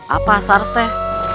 apa sars teh